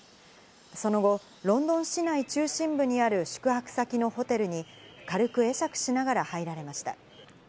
その後、ロンドン市内中心部にある宿泊先のホテルに軽く会釈しながら入られました。